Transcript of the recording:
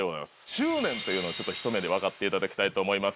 執念というのをひと目でわかっていただきたいと思います。